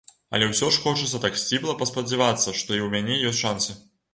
Але ўсё ж хочацца так сціпла паспадзявацца, што і ў мяне ёсць шанцы.